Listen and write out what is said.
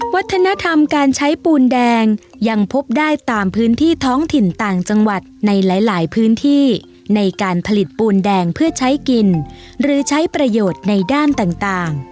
วัฒนธรรมการใช้ปูนแดงยังพบได้ตามพื้นที่ท้องถิ่นต่างจังหวัดในหลายพื้นที่ในการผลิตปูนแดงเพื่อใช้กินหรือใช้ประโยชน์ในด้านต่าง